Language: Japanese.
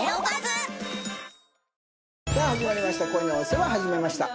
さあ始まりました